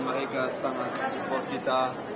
mereka sangat support kita